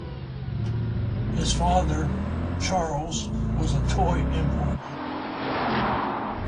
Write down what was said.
His father, Charles, was a toy importer.